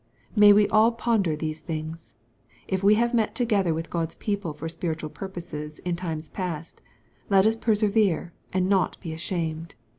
May we all ponder these things. If we have met together with God's people for spiritual purposes in times past, let us persevere, and not be ashamed.